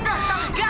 tante udah udah